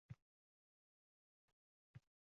U o’xshash shaklda bo’lishi kerak.